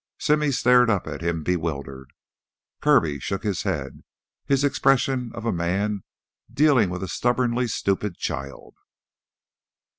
Simmy stared up at him, bewildered. Kirby shook his head, his expression one of a man dealing with a stubbornly stupid child.